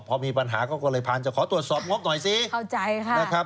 พอมีปัญหาเขาก็เลยผ่านจะขอตรวจสอบงบหน่อยซิเข้าใจค่ะนะครับ